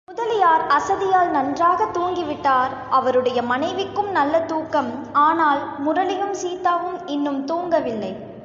முதலியார் அசதியால் நன்றாகத் தூங்கிவிட்டார், அவருடைய மனைவிக்கும் நல்ல தூக்கம், ஆனால், முரளியும், சீதாவும் இன்னும் தூங்கவில்லை.